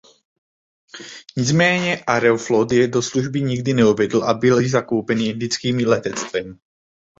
Nicméně Aeroflot je do služby nikdy neuvedl a byly zakoupeny indickým letectvem.